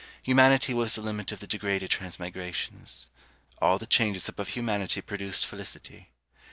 Humanity was the limit of the degraded transmigrations. All the changes above humanity produced felicity.